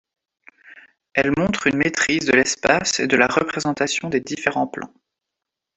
Elles montrent une maîtrise de l'espace et de la représentation des différents plans.